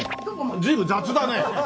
随分雑だね。